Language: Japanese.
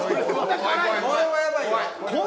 これはやばいよ。